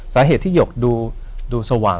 สาเหตุที่หยกดูสว่าง